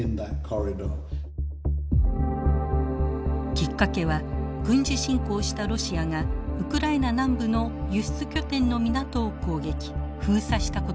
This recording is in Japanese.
きっかけは軍事侵攻したロシアがウクライナ南部の輸出拠点の港を攻撃封鎖したことでした。